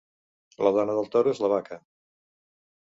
La dona del toro és la vaca.